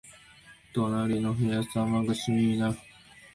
隣の部屋、騒がしいな